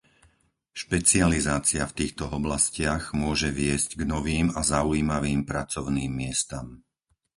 Špecializácia v týchto oblastiach môže viesť k novým a zaujímavým pracovným miestam.